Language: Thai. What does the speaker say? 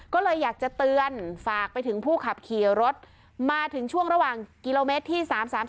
ก็เลยอยากจะเตือนฝากไปถึงผู้ขับขี่รถมาถึงช่วงระหว่างกิโลเมตรที่๓๓